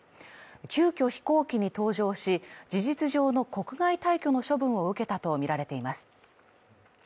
急遽飛行機に搭乗し、事実上の国外退去の処分を受けたとみられています。